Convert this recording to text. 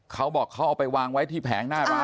เขาบอกเขาเอาไปวางไว้ที่แผงหน้าร้าน